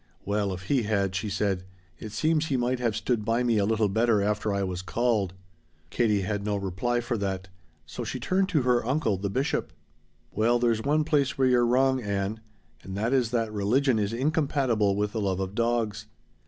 "Well, if He had," she said, "it seems He might have stood by me a little better after I was 'called.'" Katie had no reply for that, so she turned to her uncle, the Bishop. "Well there's one place where you're wrong, Ann; and that is that religion is incompatible with the love of dogs.